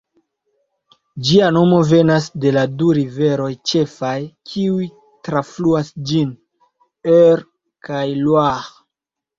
Ĝia nomo venas de la du riveroj ĉefaj, kiuj trafluas ĝin: Eure kaj Loir.